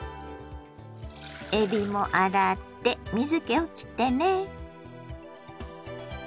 えびも洗って水けをきってね。